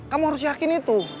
kamu harus yakin itu